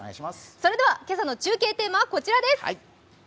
それでは今朝の中継テーマはこちらです。